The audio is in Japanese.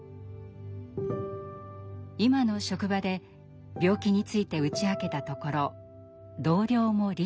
今の職場で病気について打ち明けたところ同僚も理解。